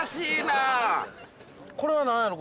これはなんやろ？